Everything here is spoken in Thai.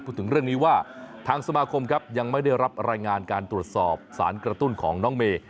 พูดถึงเรื่องนี้ว่าทางสมาคมครับยังไม่ได้รับรายงานการตรวจสอบสารกระตุ้นของน้องเมย์